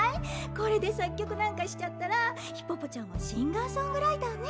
これで作曲なんかしちゃったらヒポポちゃんもシンガーソングライターね！